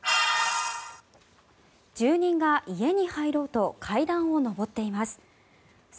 住人が家に入ろうと階段を上っています。